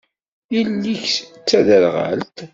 Yelli-k d taderɣalt?